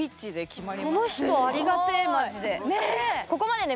その人ありがてえまじで。